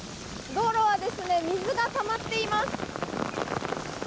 道路は水がたまっています。